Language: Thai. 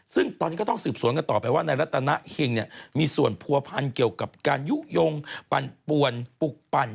ซึ่งตอนนี้ก็ต้องสืบสวนกันต่อไปว่าในรัตนาเฮงเนี่ยมีส่วนผัวพันเกี่ยวกับการยุโยงปั่นปวนปลุกปั่น